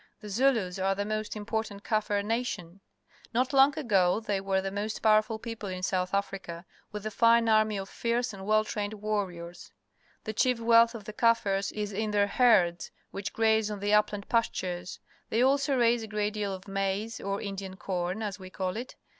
The Zulus are the most important Kaffir nation. Ts'otTong ago they were the most powerful people in South Africa, with a fine army of fierce and well trained warriors. The chief wealth of the Kaffirs is in their herds, which graze on the upland pastures. They also raise a great deal of maize, or Indian corn, as we call it.